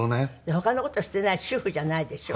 他の事していないし主婦じゃないでしょ。